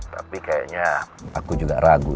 tapi kayaknya aku juga ragu